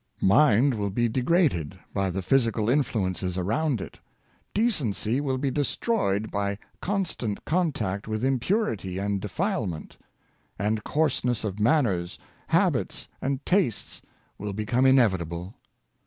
Mind will be degraded by the physical influences around it, decency will be Dirt and hnmorality, 49 destroyed by constant contact with impurity and defile ment, and coarseness of manners, habits, and tastes will become inevitable.